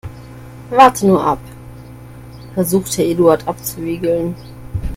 Warte nur ab, versucht Herr Eduard abzuwiegeln.